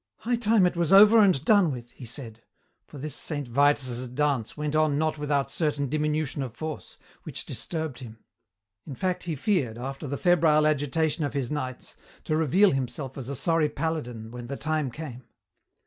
"High time it was over and done with," he said, for this Saint Vitus' dance went on not without certain diminution of force, which disturbed him. In fact he feared, after the febrile agitation of his nights, to reveal himself as a sorry paladin when the time came.